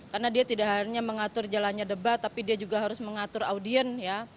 karena dia tidak hanya mengatur jalannya debat tapi dia juga harus mengatur audien ya